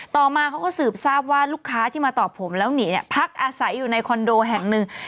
ต่อมาเขาก็สืบทราบว่าลูกค้าที่มาตอบผมแล้วหนีเนี่ยพักอาศัยอยู่ในคอนโดแห่งหนึ่ง